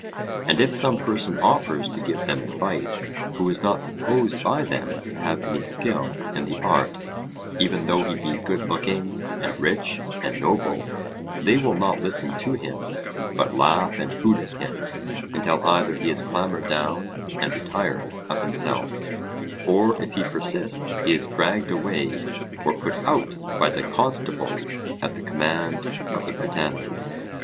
And if some person offers to give them advice who is not supposed by them to have any skill in the art, even though he be good looking, and rich, and noble, they will not listen to him, but laugh and hoot at him, until either he is clamoured down and retires of himself; or if he persist, he is dragged away or put out by the constables at the command of the prytanes.